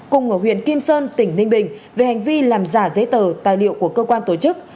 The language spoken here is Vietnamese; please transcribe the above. cùng ở huyện kim sơn tỉnh ninh bình về hành vi làm giả giấy tờ tài liệu của cơ quan tổ chức